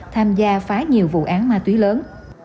tham gia phá nhiều vụ án ma túy lớn